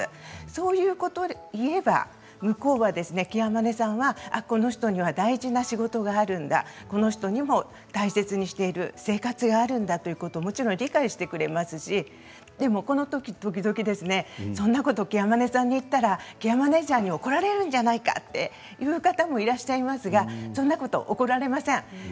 そういうことを言えば向こうはケアマネさんは、この人には大事な仕事があるんだこの人には大切にしている生活があるんだということを理解してくれますしこのとき、そんなことをケアマネさんに言ったらケアマネージャーに怒られるんじゃないかという方もいらっしゃいますけれどそんなことは怒られません。